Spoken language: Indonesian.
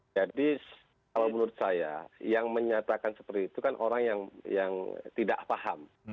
jadi kalau menurut saya yang menyatakan seperti itu kan orang yang tidak paham